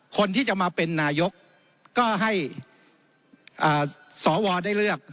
คนที่จะมาเป็นนายกก็ให้สวได้เลือก